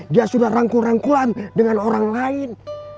dia sudah rangkul rangkulan dengan orang lain